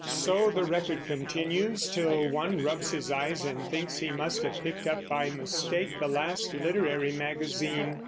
So the record continues, till one rubs his eyes and thinks he must have picked up by mistake the last literary magazine.